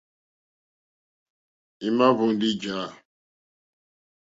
Í má ǃhwóndó ǃjá.